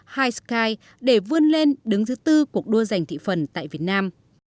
hiseky để vươn lên đứng thứ tư cuộc đua giành thị phần tại việt nam